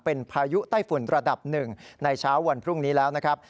เป็นพายุไต้ฝุ่นระดับหนึ่งในเช้าวันพรุ่งนี้แล้วนะครับ